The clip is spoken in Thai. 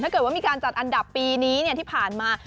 เกิดว่ามีการจัดอันดับปีนี้ที่ผ่านมา